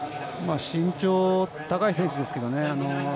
身長高い選手ですけどね